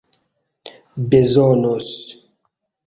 bezonos